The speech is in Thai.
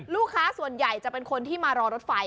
ลูกค้าส่วนใหญ่จะเป็นคนที่มารอรถไฟ